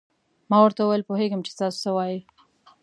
ما ورته وویل: پوهېږم چې تاسو څه وایئ.